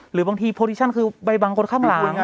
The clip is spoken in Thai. หรือบางทีก็คือไปบังคนข้างหลัง